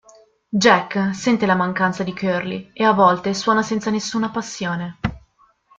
Jack sente la mancanza di Curly e a volte suona senza nessuna passione.